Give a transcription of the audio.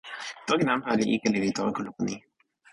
toki nanpa li ike lili tawa kulupu ni.